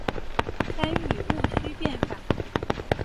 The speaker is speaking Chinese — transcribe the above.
参与戊戌变法。